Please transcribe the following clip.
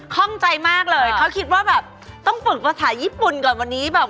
ข้องใจมากเลยเขาคิดว่าแบบต้องฝึกภาษาญี่ปุ่นก่อนวันนี้แบบ